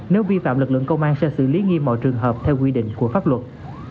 nếu vi phạm lực lượng công an sẽ xử lý nghiêm mọi trường hợp theo quy định của pháp luật